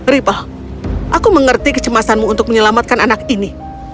ripel aku mengerti kecemasanmu untuk menyelamatkan anak ini